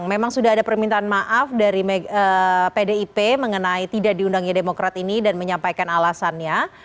memang sudah ada permintaan maaf dari pdip mengenai tidak diundangnya demokrat ini dan menyampaikan alasannya